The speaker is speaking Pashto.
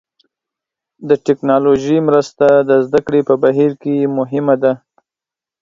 د ټکنالوژۍ مرسته د زده کړې په بهیر کې مهمه ده.